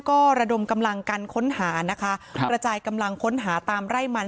ก็ระดมกำลังกันค้นหานะคะกระจายกำลังค้นหาตามไร่มัน